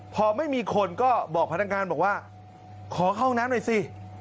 พอไม่มีคนก็บอกพนักงานบอกว่าขอเข้าห้องน้ำหน่อยสิ